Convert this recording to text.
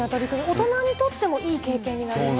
大人にとってもいい経験になりますよね。